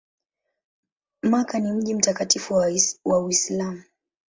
Makka ni mji mtakatifu wa Uislamu.